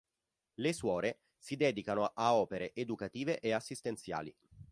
Le suore si dedicano a opere educative e assistenziali.